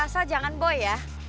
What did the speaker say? asal jangan boy ya